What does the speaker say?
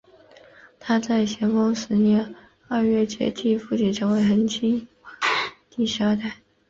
他在咸丰十年二月接替父亲成为恒亲王第十二代。